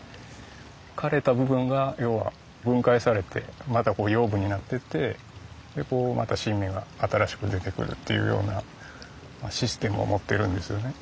枯れた部分が要は分解されてまた養分になっていってまた新芽が新しく出てくるっていうようなシステムを持ってるんですよね。